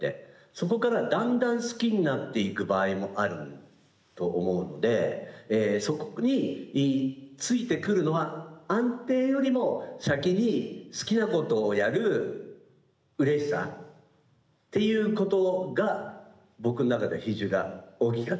そこからだんだん好きになっていく場合もあると思うのでそこについてくるのは安定よりも先にっていうことが僕の中では比重が大きかったです。